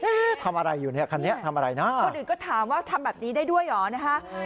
ทำอะไรอยู่เนี่ยคันนี้ทำอะไรนะคนอื่นก็ถามว่าทำแบบนี้ได้ด้วยเหรอนะฮะ